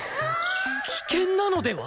危険なのでは？